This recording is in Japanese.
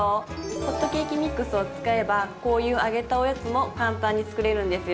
ホットケーキミックスを使えばこういう揚げたおやつも簡単に作れるんですよ。